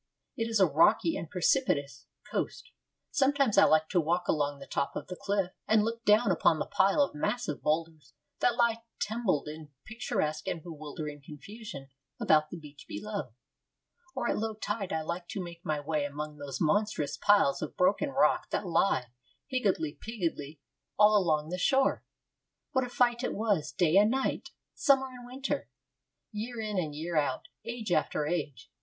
It is a rocky and precipitous coast. Sometimes I like to walk along the top of the cliff, and look down upon the pile of massive boulders that lie tumbled in picturesque and bewildering confusion about the beach below. Or, at low tide, I like to make my way among those monstrous piles of broken rock that lie, higgledy piggledy, all along the shore. What a fight it was, day and night, summer and winter, year in and year out, age after age!